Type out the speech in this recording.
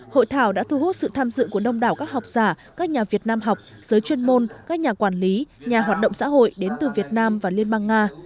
hội thảo đã thu hút sự tham dự của đông đảo các học giả các nhà việt nam học giới chuyên môn các nhà quản lý nhà hoạt động xã hội đến từ việt nam và liên bang nga